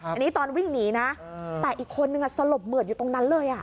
อันนี้ตอนวิ่งหนีนะแต่อีกคนนึงสลบเหมือดอยู่ตรงนั้นเลย